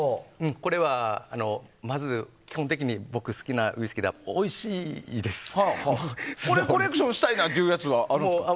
これは基本的に僕、好きなウイスキーでコレクションしたいなってやつはありますか？